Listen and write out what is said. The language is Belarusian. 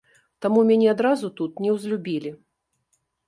Таму мяне адразу тут неўзлюбілі.